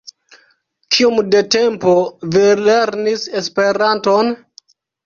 Kiom de tempo vi lernis Esperanton?